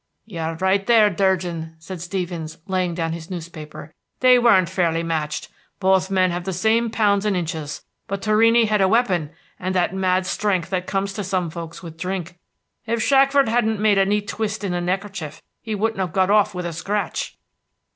"You are right there, Durgin," said Stevens, laying down his newspaper. "They weren't fairly matched. Both men have the same pounds and inches, but Torrini had a weapon and that mad strength that comes to some folks with drink. If Shackford hadn't made a neat twist on the neckerchief, he wouldn't have got off with a scratch."